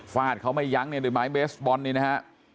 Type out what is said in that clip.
ฟาดเขาไม่ยั้งในด้วยไม้เบสบอลนี่นะฮะ